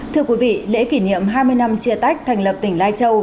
thưa quý vị lễ kỷ niệm hai mươi năm chia tách thành lập tỉnh lai châu